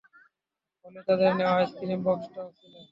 হলে তাদের নেয়া আইসক্রিম বক্সটাও ছিল।